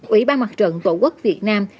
ủy ba mặt trận tổ quốc việt nam